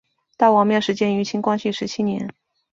大王庙始建于清光绪十七年。